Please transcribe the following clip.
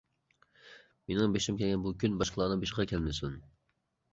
مېنىڭ بېشىمغا كەلگەن بۇ كۈن باشقىلارنىڭ بېشىغا كەلمىسۇن.